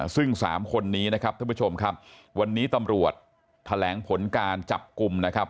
ซึ่ง๓คนนี้นะครับท่านผู้ชมครับวันนี้ตำรวจแถลงผลการจับกลุ่มนะครับ